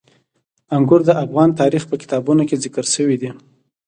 انګور د افغان تاریخ په کتابونو کې ذکر شوي دي.